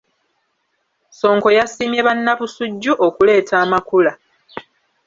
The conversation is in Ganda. Ssonko yasiimye bannabusujju okuleeta amakula.